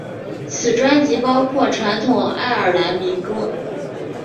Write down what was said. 此专辑包括传统爱尔兰民歌。